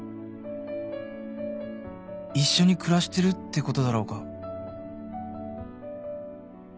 一緒に暮らしてるってことだろうか